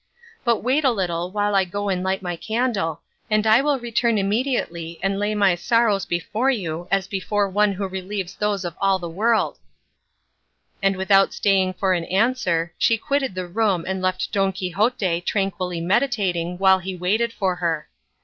But wait a little, while I go and light my candle, and I will return immediately and lay my sorrows before you as before one who relieves those of all the world;" and without staying for an answer she quitted the room and left Don Quixote tranquilly meditating while he waited for her.